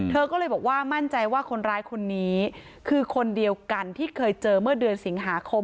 เธอก็เลยบอกว่ามั่นใจว่าคนร้ายคนนี้คือคนเดียวกันที่เคยเจอเมื่อเดือนสิงหาคม